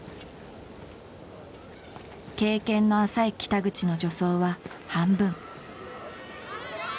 経験の浅い北口の助走は半分。